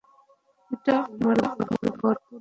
এটা আমার গর্ব নয়।